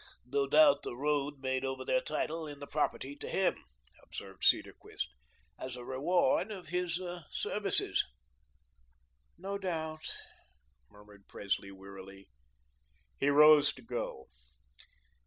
"No doubt, the road made over their title in the property to him," observed Cedarquist, "as a reward of his services." "No doubt," murmured Presley wearily. He rose to go.